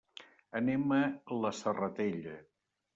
Anem a la Serratella.